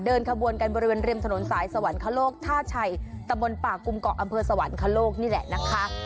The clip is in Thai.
ขบวนกันบริเวณริมถนนสายสวรรคโลกท่าชัยตะบนป่ากุมเกาะอำเภอสวรรคโลกนี่แหละนะคะ